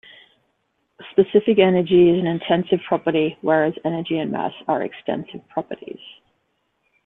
Specific energy is an intensive property, whereas energy and mass are extensive properties.